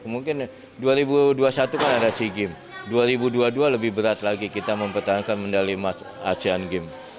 mungkin dua ribu dua puluh satu kan ada sea games dua ribu dua puluh dua lebih berat lagi kita mempertahankan medali emas asean games